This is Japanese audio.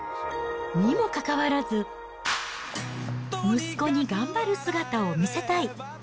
にもかかわらず、息子に頑張る姿を見せたい。